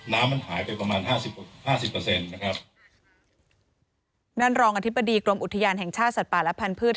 น้ำมันหายไปประมาณห้าสิบห้าสิบเปอร์เซ็นต์นะครับนั่นรองอธิบดีกรมอุทยานแห่งชาติสัตว์ป่าและพันธุ์